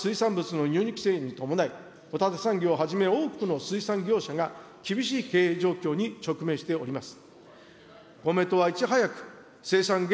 現在、中国等による日本産水産物の輸入規制に伴い、ホタテ産業をはじめ多くの水産業者が厳しい経営状況に直面しております。